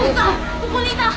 ここにいた！